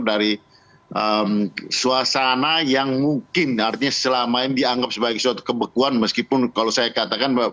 dari suasana yang mungkin artinya selama ini dianggap sebagai suatu kebekuan meskipun kalau saya katakan